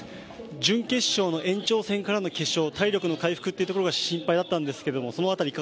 準決勝の延長戦からの決勝、体力の回復が心配だったんですが。